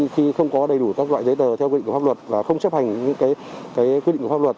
khi không có đầy đủ các loại giấy tờ theo quy định của pháp luật và không chấp hành những quy định của pháp luật